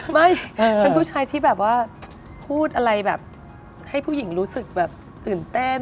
ไม่เป็นผู้ชายที่แบบว่าพูดอะไรแบบให้ผู้หญิงรู้สึกแบบตื่นเต้น